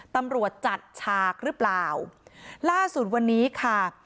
ตำรวจจัดฉากหรือเปล่าล่าสุดวันนี้ค่ะ